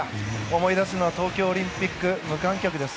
思い出すのは東京オリンピック無観客です。